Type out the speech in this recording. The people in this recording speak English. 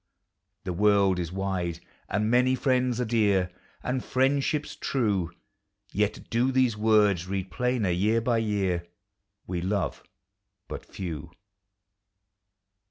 The world is wide, and many friends are dear, And friendships true; Yet do these words read plainer, year by year: We love but few.